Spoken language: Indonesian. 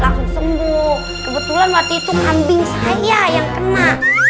langsung sembuh kebetulan waktu itu kambing saya yang kena